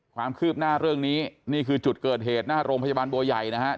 ความคืบหน้าเรื่องนี้นี่คือจุดเกิดเหตุหน้าโรงพยาบาลบัวใหญ่นะครับ